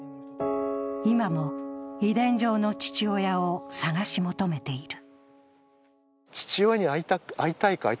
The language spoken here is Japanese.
今も遺伝上の父親を探し求めている。